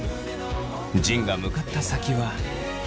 仁が向かった先は。